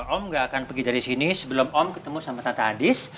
om gak akan pergi dari sini sebelum om ketemu sama tata hadis